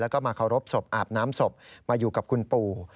แล้วก็มาเคารพศพอาบน้ำศพมาอยู่กับคุณปู่